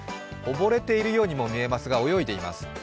溺れているようにも見えますが泳いでいます。